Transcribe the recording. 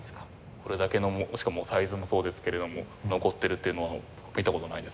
これだけのしかもサイズもそうですけれども残ってるっていうのは見た事ないですね。